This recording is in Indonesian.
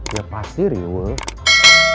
ya pasti riwuh